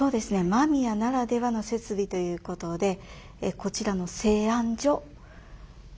間宮ならではの設備ということでこちらの製あん所。